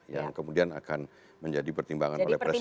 yang kemudian akan menjadi pertimbangan oleh presiden